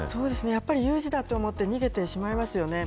やっぱり有事だと思って逃げてしまいますよね。